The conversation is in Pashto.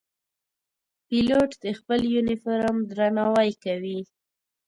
پیلوټ د خپل یونیفورم درناوی کوي.